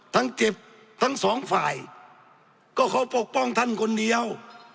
เจ็บทั้งสองฝ่ายก็เขาปกป้องท่านคนเดียว